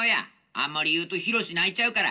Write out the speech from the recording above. あんまり言うとひろし泣いちゃうから。